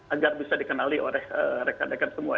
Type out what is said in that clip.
agar bisa dikenali oleh rekan rekan semua